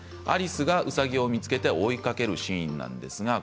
アリスが、うさぎを見つけて追いかけるシーンです。